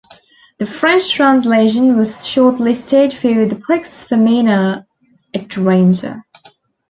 The French translation was shortlisted for the Prix Femina Etranger.